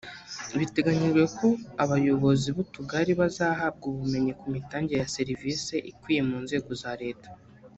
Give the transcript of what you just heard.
Biteganyijwe ko aba bayobozi b’utugari bazahabwa ubumenyi ku mitangire ya serivisi ikwiye mu nzego za Leta